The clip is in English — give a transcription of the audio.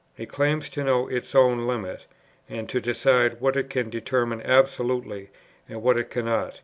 It claims to know its own limits, and to decide what it can determine absolutely and what it cannot.